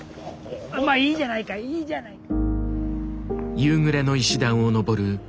まあいいじゃないかいいじゃないか。